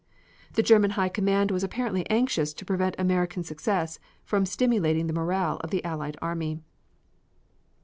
The German High Command was apparently anxious to prevent American success from stimulating the morale of the Allied army.